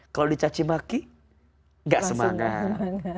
kalau dicaci maki gak semangat